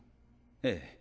ええ。